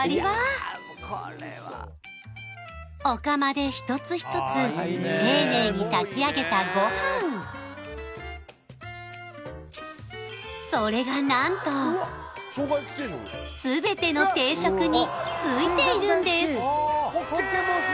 お釜で一つ一つ丁寧に炊き上げたご飯それが何と全ての定食についているんです